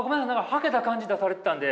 はけた感じ出されてたんで。